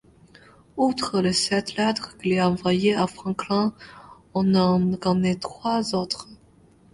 Outre les sept lettres qu'il a envoyées à Franklin, on en connaît trois autres.